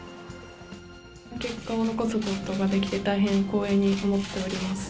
結果を残すことができて、大変光栄に思っております。